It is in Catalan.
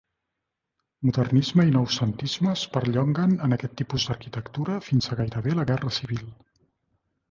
Modernisme i Noucentisme es perllonguen en aquest tipus d'arquitectura fins a gairebé la guerra civil.